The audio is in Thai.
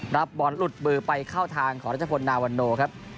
รับบอลหลุดมือไปเข้าทางของรัชพลนาวันโนครับ